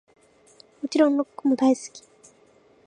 もちろんロックも大好き♡